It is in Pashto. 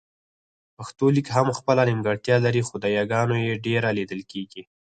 پښتو لیک هم خپله نيمګړتیا لري خو د یاګانو يې ډېره لیدل کېږي